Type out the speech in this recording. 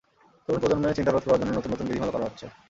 তরুণ প্রজন্মের চিন্তা রোধ করার জন্য নতুন নতুন বিধিমালা করা হচ্ছে।